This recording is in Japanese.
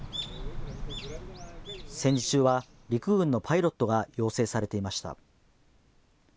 戦時中は陸軍のパイロットが養成されていました。